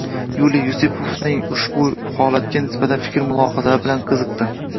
Yuliy Yusupovning ushbu holatga nisbatan fikr-mulohazalari bilan qiziqdi.